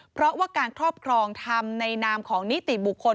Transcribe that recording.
เพราะว่าการครอบครองทำในนามของนิติบุคคล